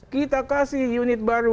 kita kasih unit baru